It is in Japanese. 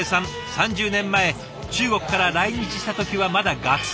３０年前中国から来日した時はまだ学生でした。